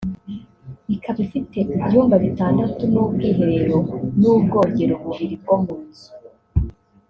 ikaba ifite ibyumba bitandatu n’ubwiherero n’ubwogero bubiri bwo mu nzu